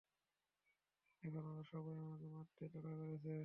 এখন ওরা সবাই আমাকে মারতে তাড়া করছে।